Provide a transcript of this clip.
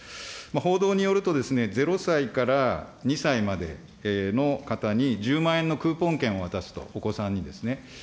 報道によると、０歳から２歳までの方に、１０万円のクーポン券を渡すと、お子さんにですね。